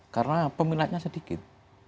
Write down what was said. karena peminatnya sedikit